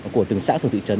của từng xã phường thị trấn